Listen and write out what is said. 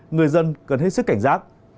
người dân cần hết sức cảnh giác